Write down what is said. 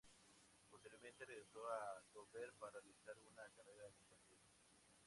Posteriormente, regresó a Andover para realizar una carrera mercantil.